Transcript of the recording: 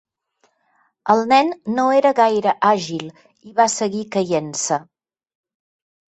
El nen no era gaire àgil i va seguir caient-se.